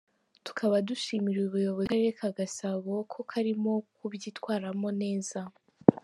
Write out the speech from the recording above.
tukaba dushimira ubuyobozi bw’Akarere ka Gasabo ko karimo kubyitwaramo neza.